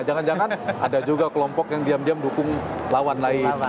jangan jangan ada juga kelompok yang diam diam dukung lawan lain